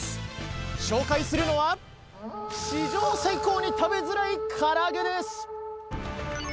紹介するのは、史上最高に食べづらいから揚げです。